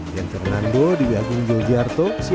dan fernando di w agung gilgjarto cnn indonesia